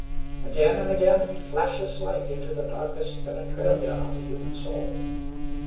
Again and again he flashes light into the darkest penetralia of the human soul.